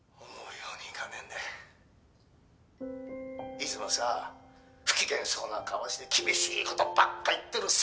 「いつもさ不機嫌そうな顔して厳しい事ばっかり言ってるさつまいも」